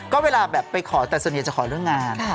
ก็เวลาแบบไปขอแต่ส่วนใหญ่จะขอเรื่องงาน